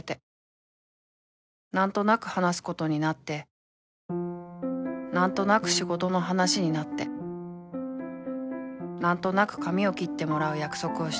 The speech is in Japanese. ［何となく話すことになって何となく仕事の話になって何となく髪を切ってもらう約束をして］